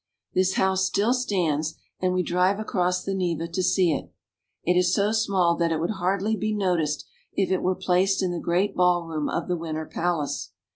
This house still stands, and we drive across the Neva to see it. It is so small that it would hardly be noticed if it were placed in the great ballroom of the Winter Palace.